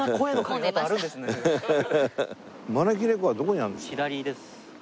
招き猫はどこにあるんですか？